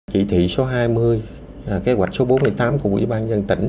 chỉ thị số hai mươi kế hoạch số bốn mươi tám của ủy ban nhân dân tỉnh